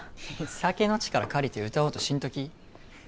酒の力借りて歌おうとしんとき。